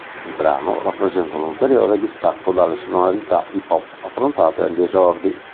Il brano rappresenta un'ulteriore distacco dalle sonorità hip hop affrontate agli esordi.